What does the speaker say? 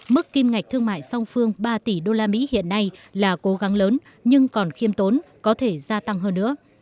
mức kim ngạch thương mại song phương ba tỷ usd hiện nay là cố gắng lớn nhưng còn khiêm tốn có thể gia tăng hơn nữa